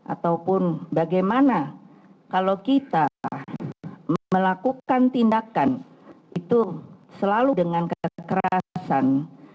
ataupun bagaimana kalau kita melakukan tindakan itu selalu dengan kekerasan